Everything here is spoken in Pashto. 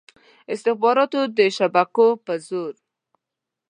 استخباراتو د شبکو په زور.